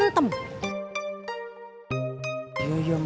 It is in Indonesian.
ngobrol sama adiknya bentar aja berantem